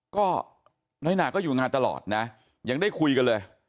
ก็น้อยหนาก็อยู่งานตลอดนะยังได้คุยกันเลย